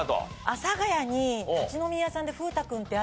阿佐ヶ谷に立ち飲み屋さんで風太くんってあって。